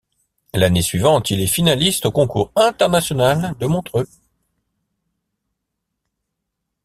L'année suivante, il est finaliste au Concours international de Montreux.